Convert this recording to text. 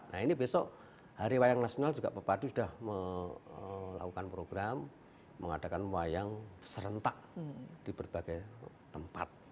nah ini besok hari wayang nasional juga pepadu sudah melakukan program mengadakan wayang serentak di berbagai tempat